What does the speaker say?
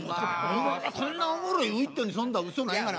こんなおもろいウイットに富んだ嘘ないがな。